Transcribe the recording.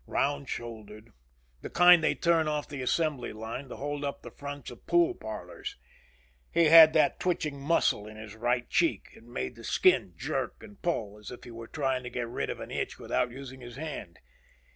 Round shouldered. The kind they turn off the assembly line to hold up the fronts of pool parlors. He had that twitching muscle in his right cheek. It made the skin jerk and pull as if he were trying to get rid of an itch without using his hand.